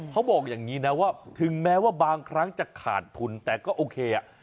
เขาบอกอย่างนี้นะว่าถึงแม้ว่าบางครั้งจะขาดทุนแต่ก็โอเคอ่ะ